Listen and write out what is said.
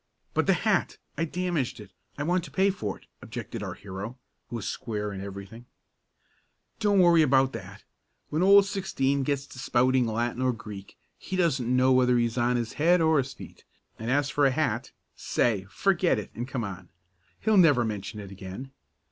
"But the hat I damaged it I want to pay for it," objected our hero, who was square in everything. "Don't worry about that. When Old Sixteen gets to spouting Latin or Greek he doesn't know whether he's on his head or his feet, and as for a hat say, forget it and come on. He'll never mention it again.